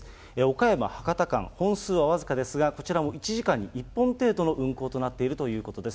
岡山・博多間、本数は僅かですが、こちらも１時間に１本程度の運行となっているということです。